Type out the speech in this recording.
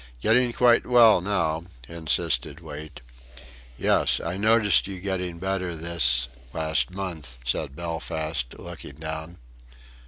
"Getting quite well now," insisted Wait. "Yes. I noticed you getting better this... last month," said Belfast, looking down.